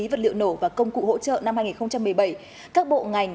vật liệu nổ và công cụ hỗ trợ năm hai nghìn một mươi bảy các bộ ngành